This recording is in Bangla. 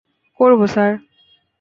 করব, স্যার।